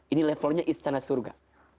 ini levelnya istana surga